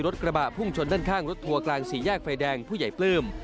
กระบะพุ่งชนด้านข้างรถทัวร์กลางสี่แยกไฟแดงผู้ใหญ่ปลื้ม